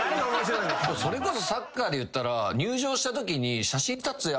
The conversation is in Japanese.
それこそサッカーで言ったら。